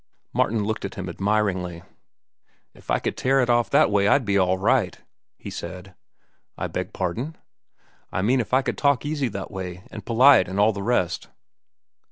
Martin looked at him admiringly. "If I could tear it off that way, I'd be all right," he said. "I beg pardon?" "I mean if I could talk easy that way, an' polite, an' all the rest."